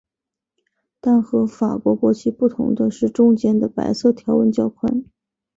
但和法国国旗不同的是中间的白色条纹较宽。